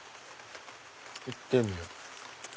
行ってみよう。